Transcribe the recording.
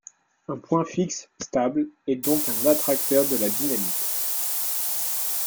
Un point fixe stable est donc un attracteur de la dynamique